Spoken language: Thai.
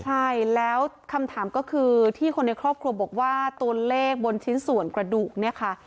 ใช่แล้วคำถามก็คือที่คนในครอบครัวบอกว่าตัวเลขบนชิ้นส่วนกระดูกเนี่ยค่ะ